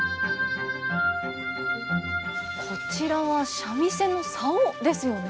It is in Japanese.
こちらは三味線の棹ですよね。